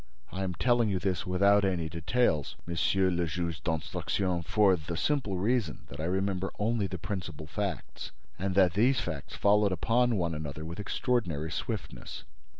I am telling you this without any details, Monsieur le Juge d'Instruction, for the simple reason that I remember only the principal facts, and that these facts followed upon one another with extraordinary swiftness."